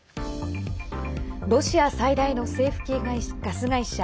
ロシア最大の政府系ガス会社